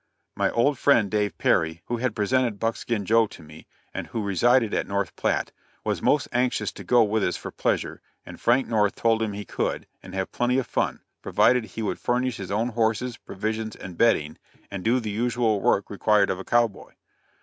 My old friend Dave Perry, who had presented Buckskin Joe to me, and who resided at North Platte, was most anxious to go with us for pleasure, and Frank North told him he could, and have plenty of fun, provided he would furnish his own horses, provisions and bedding, and do the usual work required of a cow boy.